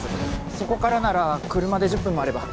そこからなら車で１０分もあれば。